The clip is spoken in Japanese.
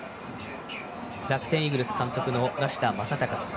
楽天イーグルス監督の梨田昌孝さん。